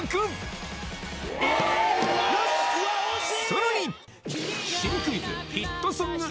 さらに！